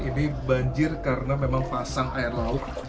ini banjir karena memang pasang air laut